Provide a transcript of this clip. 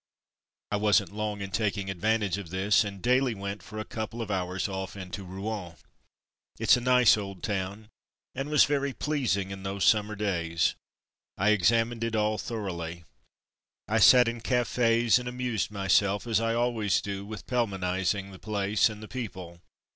I wasn't long in taking advan tage of this, and daily went for a couple of hours off into Rouen. It's a nice old town, ana was very pleas ing in those summer days. I examined it all thoroughly. I sat in cafes and amused myself as I always do with Pelmanizing the place and the people.